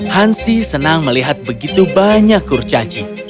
hansi senang melihat begitu banyak kurcaci